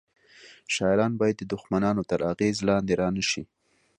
شاعران باید د دښمنانو تر اغیز لاندې رانه شي